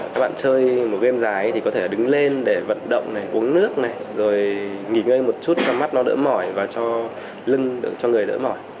các bạn chơi một game thì có thể đứng lên để vận động này uống nước này rồi nghỉ ngơi một chút ra mắt nó đỡ mỏi và cho lưng cho người đỡ mỏi